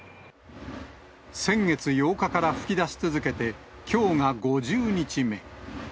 先月８日から噴き出し続けて、きょうが５０日目。